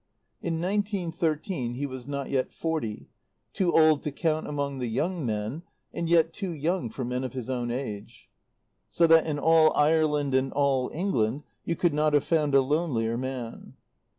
In nineteen thirteen he was not yet forty, too old to count among the young men, and yet too young for men of his own age. So that in all Ireland and all England you could not have found a lonelier man.